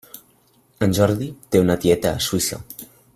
En Jordi té una tieta a Suïssa.